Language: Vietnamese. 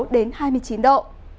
hai mươi sáu đến hai mươi chín độ